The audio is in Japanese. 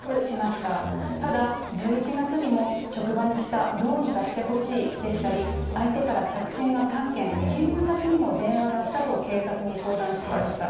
ただ、１１月にも、職場に来た、どうにかしてほしいでしたり、相手から着信が３件、勤務先にも電話が来たと警察に相談していました。